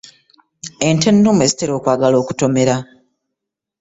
Ente ennume zitera okwagala okutomera.